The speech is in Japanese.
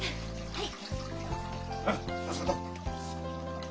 はい。